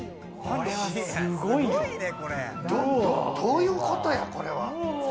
どういうことや、これは。